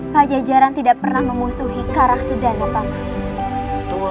pak jajaran tidak pernah mengusuhi karang sedana paman